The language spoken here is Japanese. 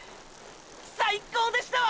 最っ高でしたわ！！